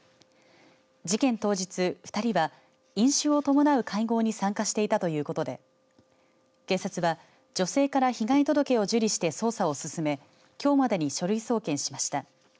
事件当日２人は飲酒を伴う会合に参加していたということで警察は女性から被害届を受理して捜査を進めきょうまでに書類送検しました。